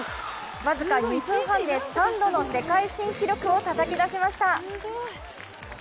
僅か２分半で３度の世界新記録をたたき出しました。